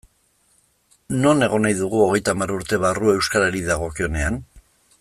Non egon nahi dugu hogeita hamar urte barru euskarari dagokionean?